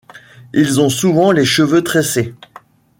Ils ont souvent les cheveux tressés.